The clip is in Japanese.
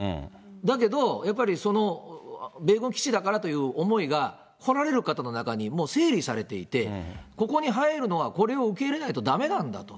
だけど、米軍基地だからという思いが、来られる方の中にもう整理されていて、ここに入るのは、これを受け入れないとだめなんだと。